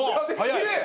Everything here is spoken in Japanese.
きれい！